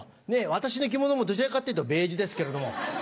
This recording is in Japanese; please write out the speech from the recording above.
私の着物もどちらかっていうとベージュですけれども。